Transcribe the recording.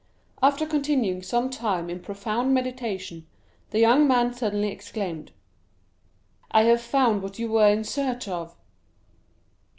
After continuing some time in profound meditation, the young man suddenly exclaimed, "I have found what you were in search of!"